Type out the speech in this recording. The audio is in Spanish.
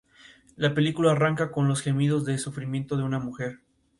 La película arranca con los gemidos de sufrimiento de una mujer.